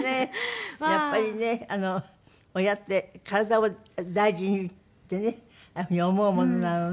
やっぱりね親って「体を大事に」ってねああいう風に思うものなのね。